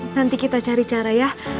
nanti kita cari cara ya